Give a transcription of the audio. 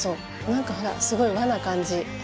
何かほらすごい和な感じ。